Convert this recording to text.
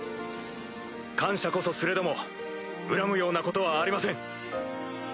感謝こそすれども恨むようなことはありま